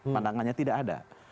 pandangannya tidak ada